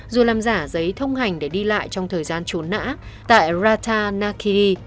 dù làm giả giấy thông hành để đi lại trong thời gian trốn nã tại ratanakiri